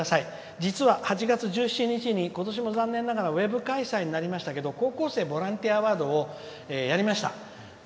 実は、８月１７日にことしも残念ながらウェブ開催になりましたけど高校生ボランティア・アワードをやりました！